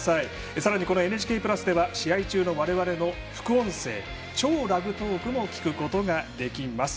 さらに、「ＮＨＫプラス」では試合中の我々の副音声「超ラグトーク」も聞くことができます。